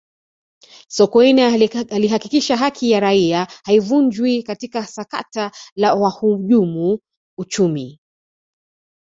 sokoine alihakikisha haki ya raia haivunjwi katika sakata la wahujumu uchumi